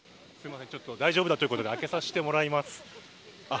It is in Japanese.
大丈夫だということで開けさせてもらいます。